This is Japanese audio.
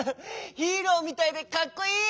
ヒーローみたいでかっこいい！